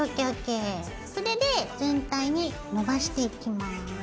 筆で全体にのばしていきます。